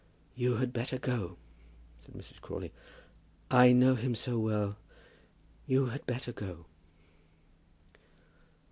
"You had better go," said Mrs. Crawley. "I know him so well. You had better go."